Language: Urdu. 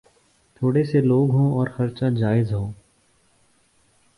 تھوڑے سے لوگ ہوں اور خرچا جائز ہو۔